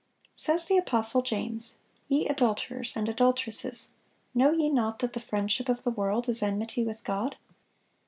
Says the apostle James: "Ye adulterers and adulteresses, know ye not that the friendship of the world is enmity with God?